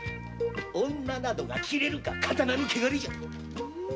女などが切れるか刀の汚れじゃ！